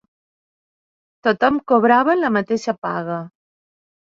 Tothom cobrava la mateixa paga